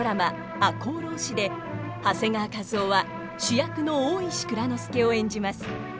「赤穂浪士」で長谷川一夫は主役の大石内蔵助を演じます。